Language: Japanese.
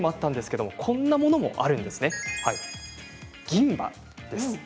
銀歯です。